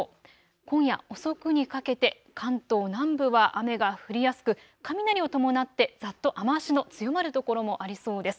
今夜遅くにかけて関東南部は雨が降りやすく雷を伴ってざっと雨足の強まる所もありそうです。